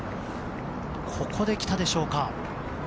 ここで来たでしょうか。